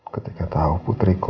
ketika tahu putriku